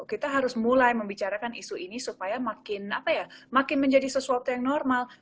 kita harus mulai membicarakan isu ini supaya makin menjadi sesuatu yang normal